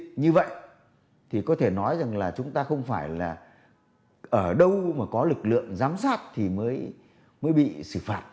nhưng vậy thì có thể nói rằng là chúng ta không phải là ở đâu mà có lực lượng giám sát thì mới bị xử phạt